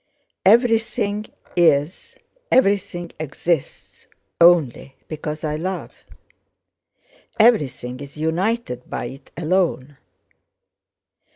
Everything is, everything exists, only because I love. Everything is united by it alone.